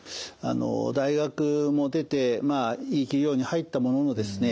大学も出ていい企業に入ったもののですね